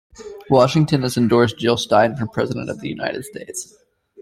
Washington has endorsed Jill Stein for President of the United States.